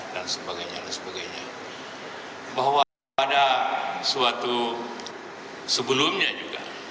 dan berada di china selama itu